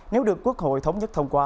nếu được quốc hội thống nhất thông qua